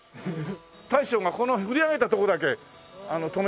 大将がこの振り上げたとこだけ止めさせて。